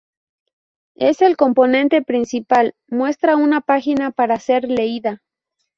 Es el componente principal, muestra una página para ser leída.